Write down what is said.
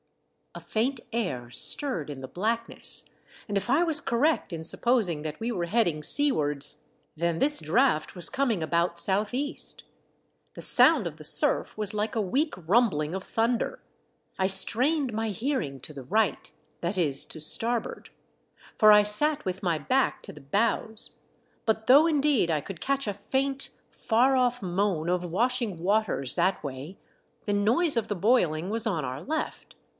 A faint air stirred in the blackness, and if I was correct in supposing that we were heading seawards, then this draught was coming about south east. The sound of the surf was like a weak rumbling of thunder. I strained my hearing to the right — that is, to starboard, for I sat with my back to the bows; but though indeed I could catch a faint, far off moan of washing waters that way, the noise of the boiling was on our left.